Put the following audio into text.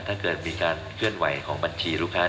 ถ้าเกิดมีการเคลื่อนไหวของบัญชีลูกค้า